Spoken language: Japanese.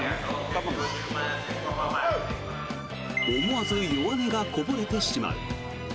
思わず弱音がこぼれてしまう。